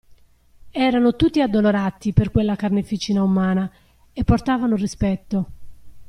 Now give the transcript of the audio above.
Erano tutti addolorati per quella carneficina umana, e portavano rispetto.